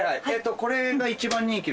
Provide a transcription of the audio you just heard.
これが一番人気？